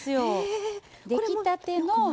出来たての。